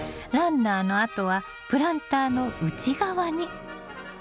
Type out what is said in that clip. ランナーの跡はプランターの内側に！